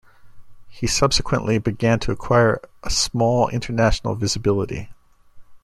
He subsequently began to acquire a small international visibility.